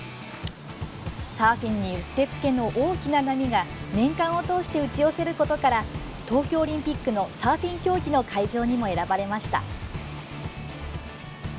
サーフィンにうってつけの大きな波が年間を通して打ち寄せることから東京オリンピックのサーフィン競技の会場にも選ばれました。